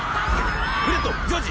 フレッドジョージ！